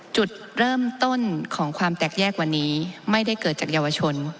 จุดเริ่มต้นของความแตกแยกวันนี้ไม่ได้เกิดจากเยาวชน